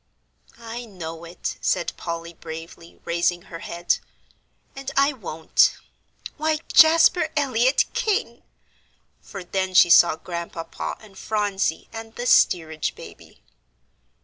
"I know it," said Polly, bravely, raising her head; "and I won't why Jasper Elyot King!" for then she saw Grandpapa and Phronsie and the steerage baby.